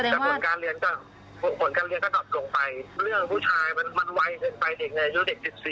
เรื่องผู้ชายมันไวขึ้นไปเองในอายุ๑๔